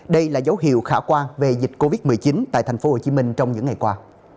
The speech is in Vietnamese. đây là dấu hiệu khả quan về dịch covid một mươi chín tại tp hcm trong những ngày qua